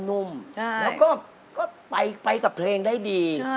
นุ่มแล้วก็ไปกับเพลงได้ดี